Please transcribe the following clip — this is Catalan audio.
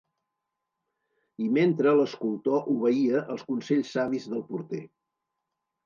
I mentre l'escultor obeïa els consells savis del porter